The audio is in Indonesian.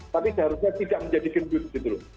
tapi seharusnya tidak menjadi gendut gitu loh